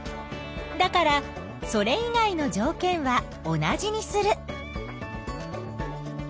だからそれ以外のじょうけんは同じにする。